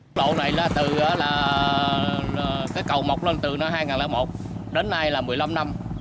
con lỗ này là từ cái cầu mọc lên từ hai nghìn một đến nay là một mươi năm năm